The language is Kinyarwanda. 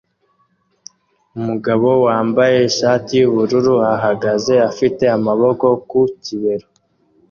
Umugabo wambaye ishati yubururu ahagaze afite amaboko ku kibero